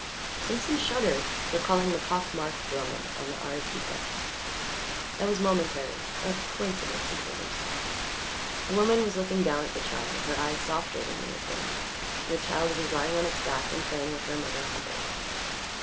Simpson shuddered, recalling the pock marked drummer on the Arequipa. That was momentary a coincidence, he told himself. The woman was looking down at the child, her eyes softer than they had been, and the child was lying on its back and playing with her Mother Hubbard.